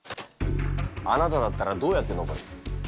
あなただったらどうやって登る？